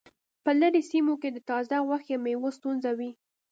په لرې سیمو کې د تازه غوښې او میوو ستونزه وي